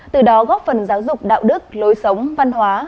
từ đó góp phần giáo dục đạo đức lối sống văn hóa